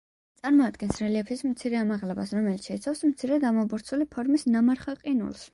წარმოადგენს რელიეფის მცირე ამაღლებას, რომელიც შეიცავს მცირედ ამობურცული ფორმის ნამარხ ყინულს.